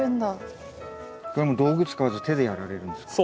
これはもう道具使わず手でやられるんですか？